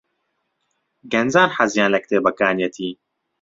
گەنجان حەزیان لە کتێبەکانیەتی.